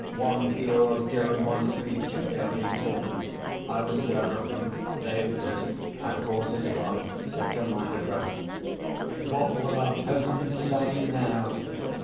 One feels during one's speech if they are being formed. I was aware of them. They exist. Our cause is won. Set your mind at rest." "What will our peasants say now?"